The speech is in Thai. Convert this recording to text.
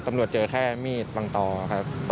ตำรวจเจอแค่มีดบังตอครับ